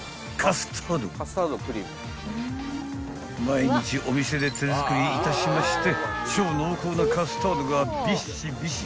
［毎日お店で手作りいたしまして超濃厚なカスタードがびっしびし］